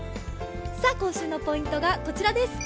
今週のポイントがこちらです。